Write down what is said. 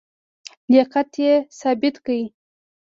لیاقت یې ثابت کړ.